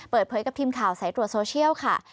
เปิดเผยกับทีมข่าวสายตรวจโซเชียลค่ะ